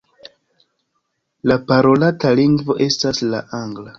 La parolata lingvo estas la angla.